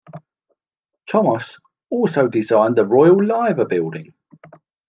Thomas also designed the Royal Liver Building.